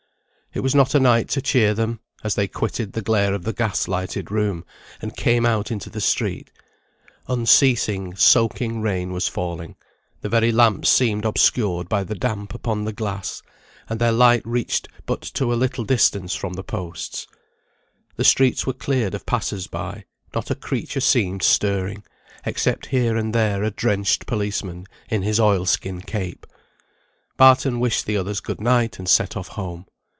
It was not a night to cheer them, as they quitted the glare of the gas lighted room, and came out into the street. Unceasing, soaking rain was falling; the very lamps seemed obscured by the damp upon the glass, and their light reached but to a little distance from the posts. The streets were cleared of passers by; not a creature seemed stirring, except here and there a drenched policeman in his oil skin cape. Barton wished the others good night, and set off home.